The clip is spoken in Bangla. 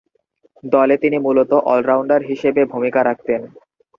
দলে তিনি মূলতঃ অল-রাউন্ডার হিসেবে ভূমিকা রাখতেন।